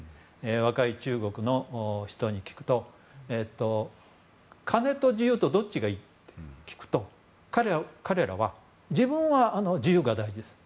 若い中国の人に聞くと金と自由とどっちがいいと聞くと彼らは自分は自由が大事ですと。